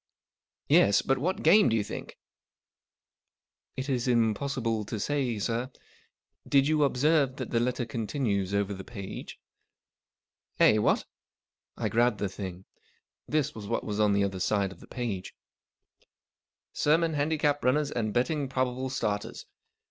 " Yes. But what game, do you think ?"" It is impossible to say, sir. Did you observe that the letter continues over the page ?"" Eh, what ?" I grabbed the thing. This was what was on the other side of the last page:— SERMON HANDICAP RUNNERS AND BETTING PROBABLE STARTERS.